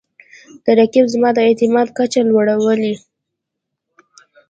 رقیب زما د اعتماد کچه لوړوي